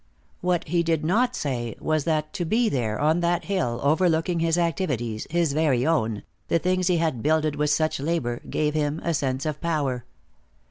What he did not say was that to be there, on that hill, overlooking his activities, his very own, the things he had builded with such labor, gave him a sense of power.